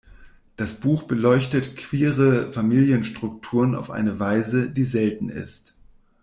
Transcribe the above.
Das Buch beleuchtet queere Familienstrukturen auf eine Weise, die selten ist.